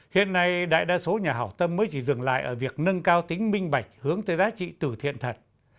hiện nay đại đa số nhà hảo tâm mới chỉ dừng lại ở việc nâng cao tính minh bạch hướng tới giá trị từ thiện thật